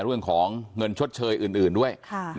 เรื่องของเงินชดเชยอื่นด้วย